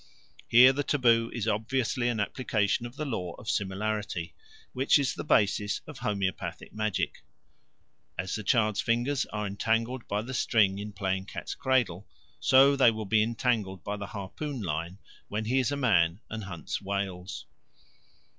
Here the taboo is obviously an application of the law of similarity, which is the basis of homoeopathic magic: as the child's fingers are entangled by the string in playing cat's cradle, so they will be entangled by the harpoonline when he is a man and hunts whales.